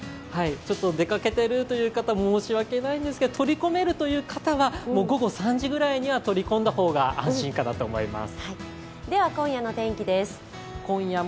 ちょっと出かけているという方は申し訳ないんですが、取り込めるという方は、午後３時ぐらいには取り込んだ方が安心かなと思います。